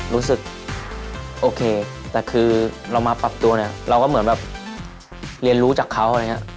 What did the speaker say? รู้สึกโอเคแต่คือเรามาปรับตัวเนี่ยเราก็เหมือนแบบเรียนรู้จากเขาอะไรอย่างนี้